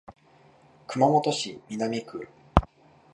熊本市南区